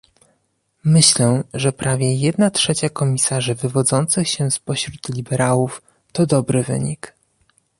Myślę, że prawie jedna trzecia komisarzy wywodzących się spośród liberałów to dobry wynik